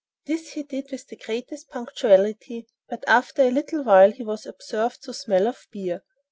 This he did with the greatest punctuality, but after a little while was observed to smell of beer.